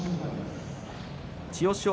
千代翔